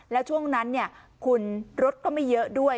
แล้วช่วงนั้นคุณรถก็ไม่เยอะด้วย